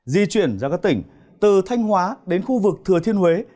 di chuyển ra các tỉnh từ thanh hóa đến khu vực thừa thiên huế